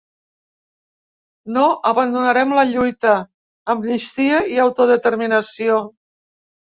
No abandonarem la lluita: amnistia i autodeterminació!